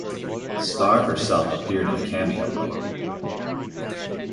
Starr herself appeared in a cameo role.